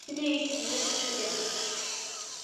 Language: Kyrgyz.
Бул маселе иш жүзүндө чечилген.